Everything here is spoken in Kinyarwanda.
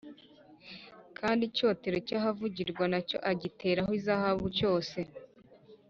kandi icyotero cy’ahavugirwa na cyo agiteraho izahabu cyose